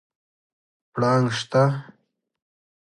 پړانګ شته؟